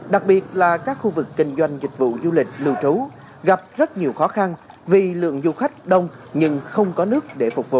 đặc biệt là các khu vực kinh doanh dịch vụ du lịch lưu trú gặp rất nhiều khó khăn vì lượng du khách đông nhưng không có nước để phục vụ